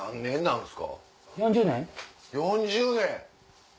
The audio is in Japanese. ４０年！